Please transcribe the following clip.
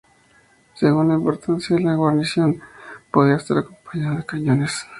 Según la importancia de la guarnición podía estar acompañado de cañones.